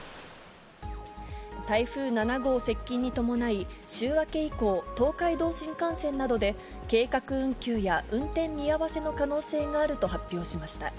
台風７号接近に伴い、週明け以降、東海道新幹線などで計画運休や運転見合わせの可能性があると発表しました。